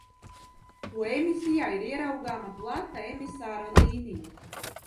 To emisijā ir ieraugāma plata emisāra līnija.